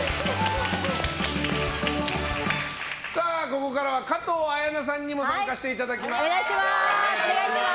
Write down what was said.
ここからは加藤綾菜さんにも参加していただきます。